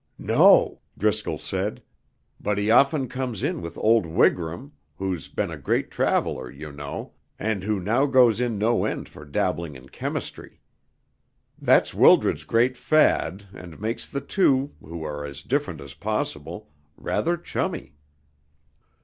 "No," Driscoll said, "but he often comes in with old Wigram, who's been a great traveller, you know, and who now goes in no end for dabbling in chemistry. That's Wildred's great fad, and makes the two, who are as different as possible, rather chummy."